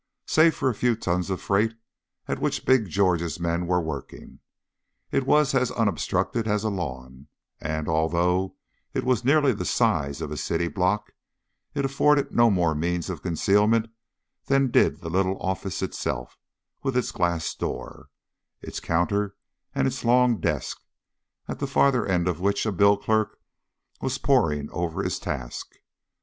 Save for a few tons of freight at which Big George's men were working, it was as unobstructed as a lawn; and, although it was nearly the size of a city block, it afforded no more means of concealment than did the little office itself, with its glass doors, its counter, and its long desk, at the farther end of which a bill clerk was poring over his task.